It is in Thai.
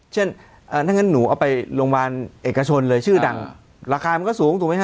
เช่นถ้างั้นหนูเอาไปโรงพยาบาลเอกชนเลยชื่อดังราคามันก็สูงถูกไหมฮ